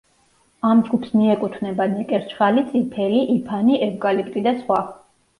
ამ ჯგუფს მიეკუთვნება ნეკერჩხალი, წიფელი, იფანი, ევკალიპტი და სხვა.